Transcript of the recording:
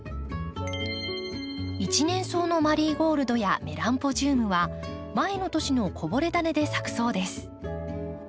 一年草のマリーゴールドやメランポジウムは前の年のこぼれダネで咲くそうです。